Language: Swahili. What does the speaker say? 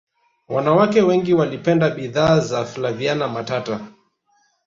wanawake wengi walipenda bidhaa za flaviana matata